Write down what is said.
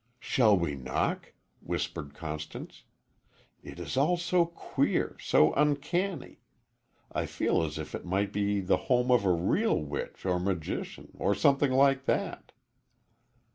"Shall we knock?" whispered Constance. "It is all so queer so uncanny. I feel as if it might be the home of a real witch or magician, or something like that."